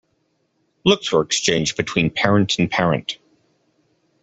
Looks were exchanged between parent and parent.